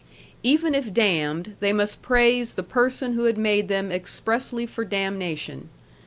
Even if damned, they must praise the person who had made them expressly for damnation.